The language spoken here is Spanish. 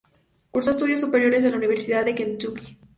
Cursó estudios superiores en la Universidad de Kentucky.